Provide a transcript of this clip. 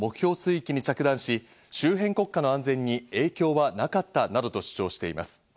水域に着弾し、周辺国家の安全に影響はなかったなどと主張しています。